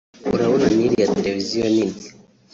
urabona n’iriya televiziyo nini